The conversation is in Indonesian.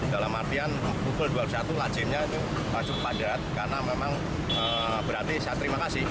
dalam artian pukul dua puluh satu lajimnya itu masuk padat karena memang berarti saya terima kasih